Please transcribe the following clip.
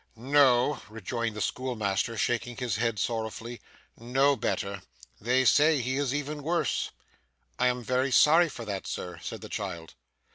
'No,' rejoined the schoolmaster shaking his head sorrowfully, 'no better. They even say he is worse.' 'I am very sorry for that, Sir,' said the child.